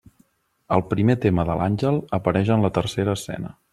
El primer tema de l'àngel apareix en la tercera escena.